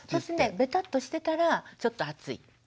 ベタッとしてたらちょっと暑い。